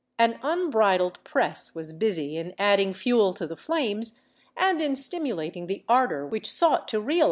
An unbridled press was busy in adding fuel to the flames and in stimulating the ardor which sought to realize anarchical dreams.